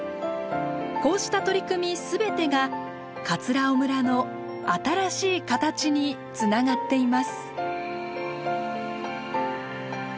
こうした取り組み全てが尾村の新しい形につながっています。